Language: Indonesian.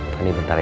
fani bentar ya